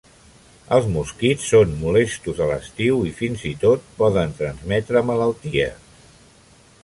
Els mosquits són molestos a l'estiu i, fins i tot, poden transmetre malalties.